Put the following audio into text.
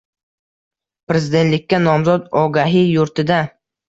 Prezidentlikka nomzod Ogahiy yurtida